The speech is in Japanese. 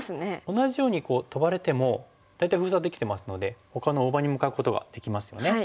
同じようにトバれても大体封鎖できてますのでほかの大場に向かうことができますよね。